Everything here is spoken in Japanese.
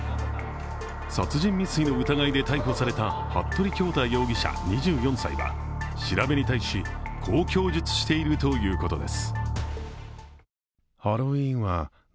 殺人未遂の疑いで逮捕された服部恭太容疑者２４歳は調べに対し、こう供述しているということです。